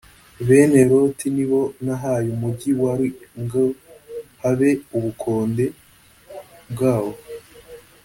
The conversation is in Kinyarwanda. bene loti ni bo nahaye umugi wa ari ngo habe ubukonde bwabo.